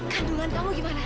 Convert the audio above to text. kandungan kamu gimana